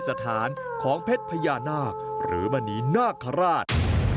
ที่ประดิษฐานของเพชรพญานาคหรือมณีนาคาราช